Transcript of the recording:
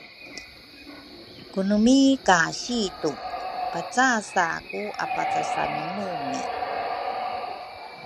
kunumi ka situ pacase ku apacasnumi.